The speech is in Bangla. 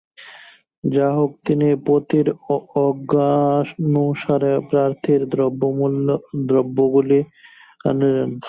যাহা হউক তিনি পতির আজ্ঞানুসারে প্রার্থিত দ্রব্যগুলি আনিলেন।